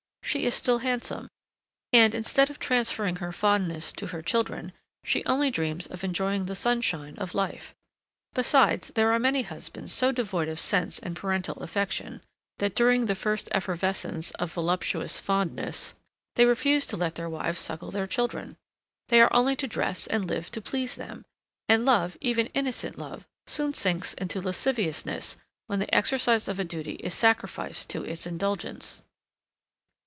She is still handsome, and, instead of transferring her fondness to her children, she only dreams of enjoying the sunshine of life. Besides, there are many husbands so devoid of sense and parental affection, that during the first effervescence of voluptuous fondness, they refuse to let their wives suckle their children. They are only to dress and live to please them: and love, even innocent love, soon sinks into lasciviousness when the exercise of a duty is sacrificed to its indulgence.